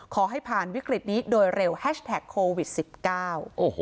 ขอให้ผ่านวิกฤตนี้โดยเร็วแฮชแท็กโควิดสิบเก้าโอ้โห